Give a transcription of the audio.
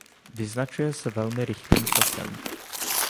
Vyznačuje se velmi rychlým tokem.